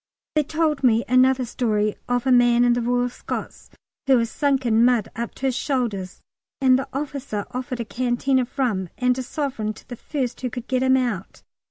They told me another story of a man in the Royal Scots who was sunk in mud up to his shoulders, and the officer offered a canteen of rum and a sovereign to the first man who could get him out.